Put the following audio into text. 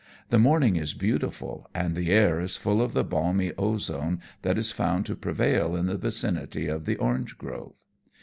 The morning is beautiful, and the air is full of the balmy ozone that is found to prevail in the vicinity of the orange grove.